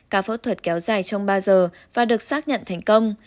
ca phẫu thuật kéo dài trong ba giờ và được xác nhận thành công